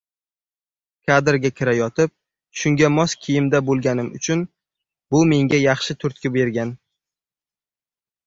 Kadrga kirayotib, shunga mos kiyimda bo‘lganim uchun bu menga yaxshi turtki bergan.